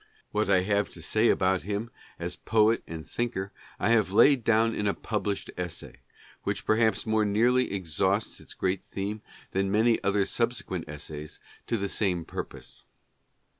What I have to say about him as poet and thinker, I have laid down in a published essay, which perhaps more nearly exhausts its great theme than many other subsequent essays to the same purpose.